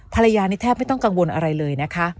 ภรรยานี่แทบไม่ต้องกังวลอะไรเลยนะคะ